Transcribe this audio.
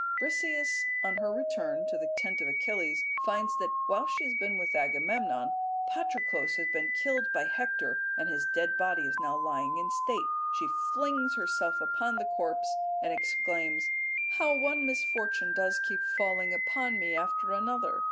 Briseis on her return to the tent of Achilles finds that while she has been with Agamemnon, Patroclus has been killed by Hector, and his dead body is now lying in state. She flings herself upon the corpse and exclaims "How one misfortune does keep falling upon me after another!